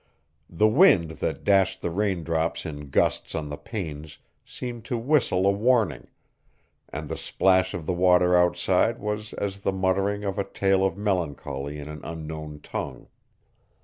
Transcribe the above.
The wind that dashed the rain drops in gusts on the panes seemed to whistle a warning, and the splash of the water outside was as the muttering of a tale of melancholy in an unknown tongue.